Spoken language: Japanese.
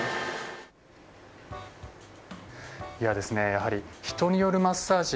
やはり、人によるマッサージ